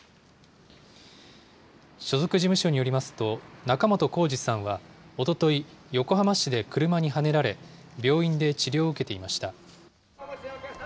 所属事務所によりますと、仲本工事さんはおととい、横浜市で車にはねられ、病院で治療を受けていました。